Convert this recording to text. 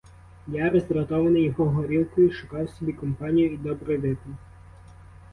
Я роздратований його горілкою шукав собі компанію і добре випив.